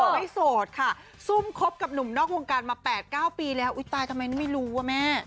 ไม่โสดค่ะซุ่มคบกับหนุ่มนอกวงการมา๘๙ปีแล้วอุ๊ยตายทำไมไม่รู้อ่ะแม่